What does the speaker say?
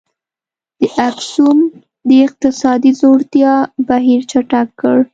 د اکسوم د اقتصادي ځوړتیا بهیر چټک کړ.